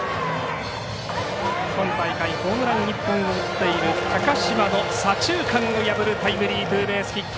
今大会ホームラン１本を打っている高嶋の左中間を破るタイムリーツーベースヒット。